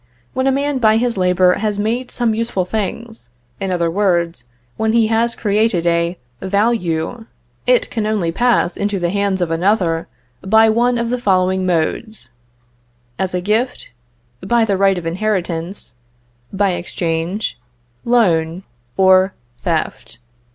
When a man by his labor has made some useful things in other words, when he has created a value it can only pass into the hands of another by one of the following modes: as a gift, by the right of inheritance, by exchange, loan, or theft.